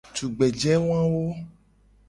Tugbeje wawo.